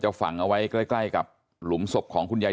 ฝังเอาไว้ใกล้กับหลุมศพของคุณยาย